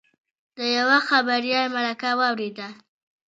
د یوه خبریال مرکه واورېده.